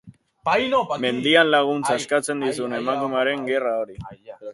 Mendian laguntza eskatzen dizun emakumearen gerra hori.